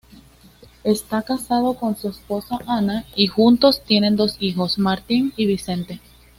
Está casado con su esposa Ana y juntos tienen dos hijos: Martin y Vicente.